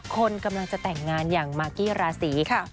คนกำลังจะแต่งงานอย่างมากกี้ราศีค่ะ